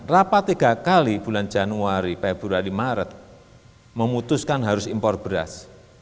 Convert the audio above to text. rapat tiga kali bulan januari februari maret memutuskan harus impor beras